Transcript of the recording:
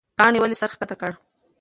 پاڼې ولې سر ښکته کړ؟